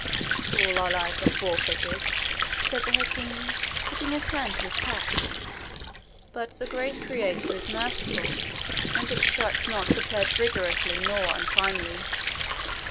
"All our lives are forfeited," said the Hakim, putting his hand to his cap. "But the great Creditor is merciful, and exacts not the pledge rigorously nor untimely."